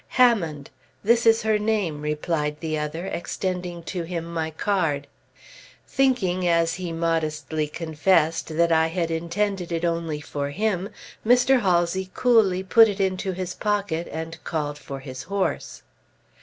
"Hammond. This is her name," replied the other, extending to him my card. Thinking, as he modestly confessed, that I had intended it only for him, Mr. Halsey coolly put it into his pocket, and called for his horse.